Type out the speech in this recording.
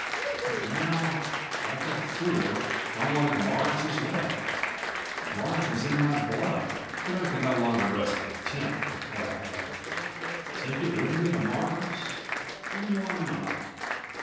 But now, like a fool, I wanted Mars as well. Mars was in my blood and I could no longer rest content with what I had. Take it with me to Mars? And why not?